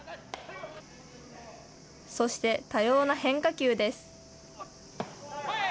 そして多様な変化球です。